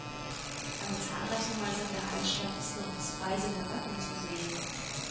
An zahlreichen Häusern der Altstadt ist noch das Freisinger Wappen zu sehen.